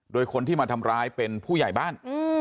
โดยคนที่มาทำร้ายเป็นผู้ใหญ่บ้าน